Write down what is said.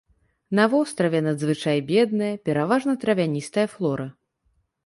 На востраве надзвычай бедная, пераважна травяністая флора.